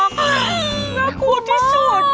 น่ากลัวที่สุด